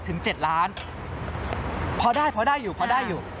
๖ถึง๗ล้านพอได้อยู่อยู่